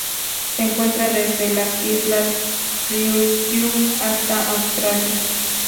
Se encuentra desde las Islas Ryukyu hasta Australia.